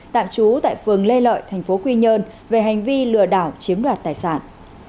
tạm trú tại phường lê lợi tp quy nhơn về hành vi lừa đảo chiếm đoạt tài sản